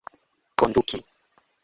konduki